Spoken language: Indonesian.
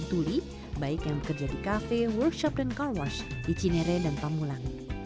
tuli baik yang bekerja di cafe workshop dan car wash di cinere dan pamulang